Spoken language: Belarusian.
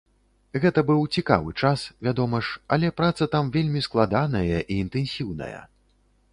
Гэта быў цікавы час, вядома ж, але праца там вельмі складаная і інтэнсіўная.